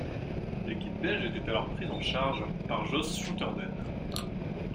L'équipe belge était alors prise en charge par Jos Schouterden.